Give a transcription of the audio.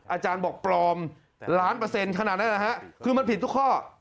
อาจารย์บอกปลอมล้านเปอร์เซ็นต์ขนาดนั้นนะฮะคือมันผิดทุกข้อ